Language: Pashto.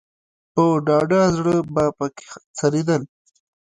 په ډاډه زړه به په کې څرېدل.